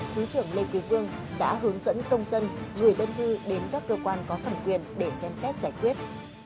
thứ trưởng lê quý vương đã hướng dẫn công dân gửi đơn thư đến các cơ quan có thẩm quyền để xem xét giải quyết